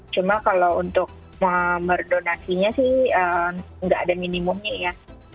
cuma kalau untuk merdonasinya sih nggak ada minimumnya ya